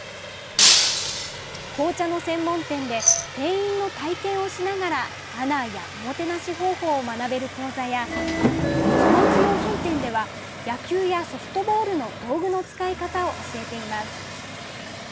紅茶の専門店で店員の体験をしながらマナーやおもてなし方法を学べる講座や、スポーツ用品店では野球やソフトボールの道具の使い方を教えています。